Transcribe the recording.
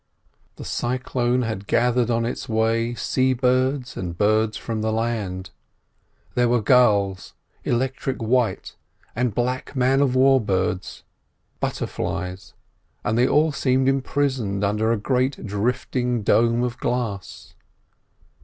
The cyclone had gathered on its way sea birds and birds from the land; there were gulls, electric white and black man of war birds, butterflies, and they all seemed imprisoned under a great drifting dome of glass.